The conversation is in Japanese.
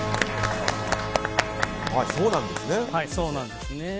そうなんですね。